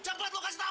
cepet lo kasih tau